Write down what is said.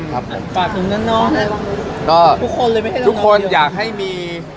ฝากถุงน้ำทุกคนอยากให้มี